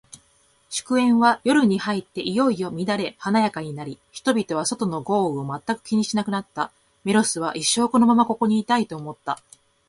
祝宴は、夜に入っていよいよ乱れ華やかになり、人々は、外の豪雨を全く気にしなくなった。メロスは、一生このままここにいたい、と思った。